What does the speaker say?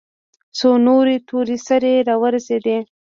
څو نورې تور سرې راورسېدې.